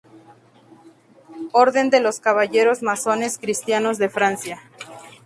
Orden de los Caballeros Masones Cristianos de Francia.